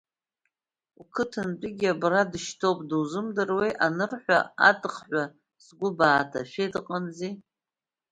Уқыҭантәигьы абра дышьҭоуп, дузымдыруеи, анырҳәа, атыхҳәа сгәы бааҭашәеит, ыҟамзи!